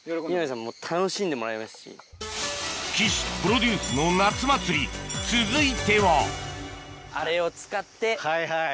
岸プロデュースの夏祭り続いてははいはい。